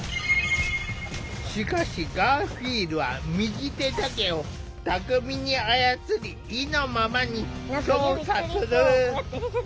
しかしガーフィールは右手だけを巧みに操り意のままに操作する。